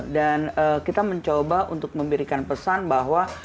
dan kita mencoba untuk memberikan pesan bahwa